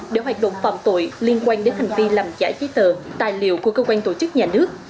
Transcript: để hoạt động phạm tội liên quan đến hành vi làm giả giấy tờ tài liệu của cơ quan tổ chức nhà nước